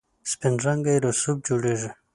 سپین رنګی رسوب جوړیږي.